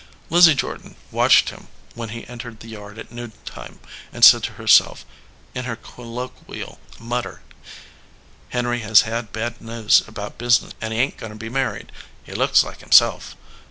Lizzie. Jordan watched him when he entered the yard at noontime, and said to herself, in her col loquial mutter: "Henry has had bad news about business and he ain t goin to be married. He looks like himself."